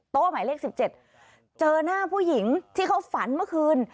หมายเลข๑๗เจอหน้าผู้หญิงที่เขาฝันเมื่อคืน